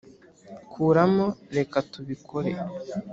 kuramo, reka tubikore.